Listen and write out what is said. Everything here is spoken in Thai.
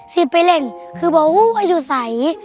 สิบไปเล่นคือบอกว่าอยู่ใส